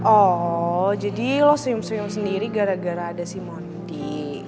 oh jadi lo senyum senyum sendiri gara gara ada si mondi